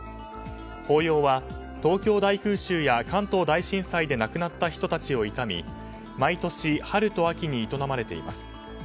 法要は東京大空襲や関東大震災で亡くなった人たちを悼み毎年、春と秋に営まれています。